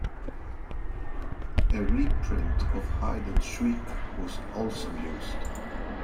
A reprint of Hyde and Shriek was also used.